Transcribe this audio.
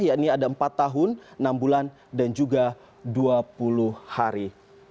yakni ada empat tahun enam bulan dan juga dua puluh hari